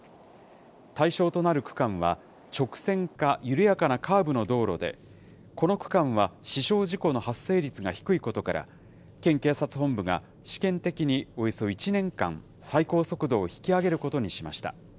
対象となる区間は、直線か緩やかなカーブの道路で、この区間は死傷事故の発生率が低いことから、県警察本部が試験的におよそ１年間、最高速度を引き上げることにしました。